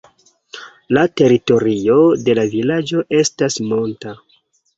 La teritorio de la vilaĝo estas monta.